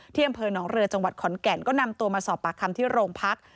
อำเภอหนองเรือจังหวัดขอนแก่นก็นำตัวมาสอบปากคำที่โรงพัก